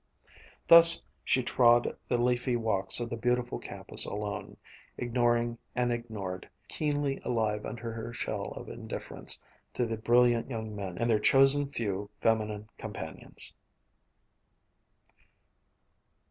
Thus she trod the leafy walks of the beautiful campus alone, ignoring and ignored, keenly alive under her shell of indifference to the brilliant young men and their chosen few feminine companions.